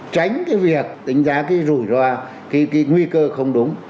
tránh cái việc tính giá cái rủi ro cái nguy cơ không đúng